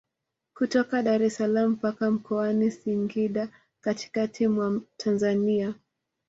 Kutoka Daressalaam mpaka Mkoani Singida katikati mwa Tanzania